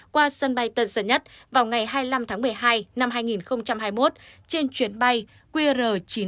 qua sân bay tân sơn nhất vào ngày hai mươi năm tháng một mươi hai năm hai nghìn hai mươi một trên chuyến bay qr chín trăm bảy